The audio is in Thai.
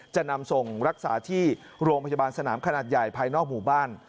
จะนำส่งรักษาที่โรงพยาบาลสนามขนาดใหญ่ภายนอกหมู่บ้าน